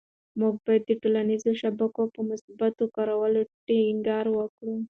موږ باید د ټولنيزو شبکو په مثبت کارولو ټینګار وکړو.